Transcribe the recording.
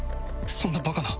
そんなバカな！